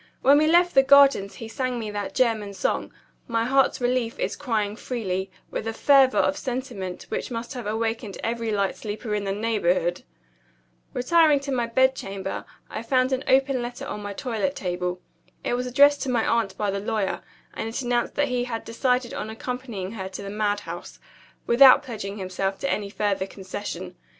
When we left the Gardens he sang me that German song, 'My heart's relief is crying freely,' with a fervor of sentiment which must have awakened every light sleeper in the neighborhood. Retiring to my bedchamber, I found an open letter on my toilet table. It was addressed to my aunt by the lawyer; and it announced that he had decided on accompanying her to the madhouse without pledging himself to any further concession.